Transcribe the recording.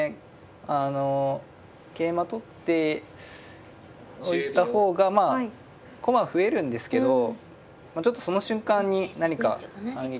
あの桂馬取っておいた方がまあ駒増えるんですけどちょっとその瞬間に何か反撃されて。